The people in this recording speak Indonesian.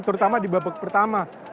terutama di babak pertama